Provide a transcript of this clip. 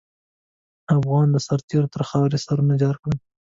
افغان سرتېرو تر خاروې سرونه جار کړل.